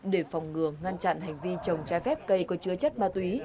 để phòng ngừa ngăn chặn hành vi trồng trái phép cây có chứa chất ma túy